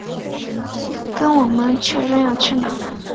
跟我们确认要去哪